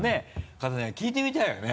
方には聞いてみたいよね